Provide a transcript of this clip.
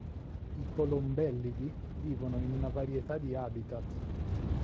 I colombellidi vivono in una varietà di habitat.